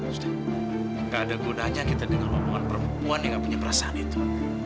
tidak ada gunanya kita dengar ngomongan perempuan yang tidak punya perasaan itu